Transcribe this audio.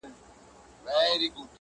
یوار مسجد ته ګورم، بیا و درمسال ته ګورم.